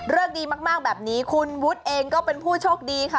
ดีมากแบบนี้คุณวุฒิเองก็เป็นผู้โชคดีค่ะ